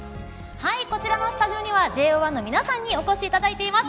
こちらのスタジオにはＪＯ１の皆さんにお越しいただいています。